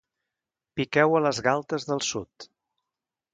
Piqueu a les galtes del sud.